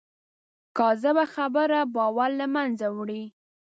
کاذبه خبره باور له منځه وړي